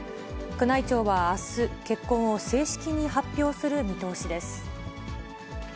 宮内庁はあす、結婚を正式に発表する見通しです。